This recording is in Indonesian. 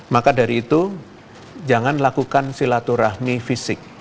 maka dari itu jangan lakukan silaturahmi fisik